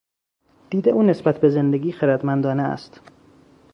دید او نسبت به زندگی خردمندانه است.